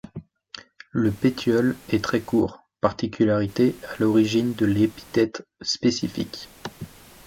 Le pétiole est très court, particularité à l'origine de l'épithète spécifique.